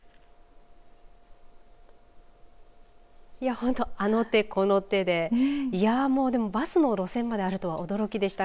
本当にあの手この手でバスの路線まであるとは驚きでした。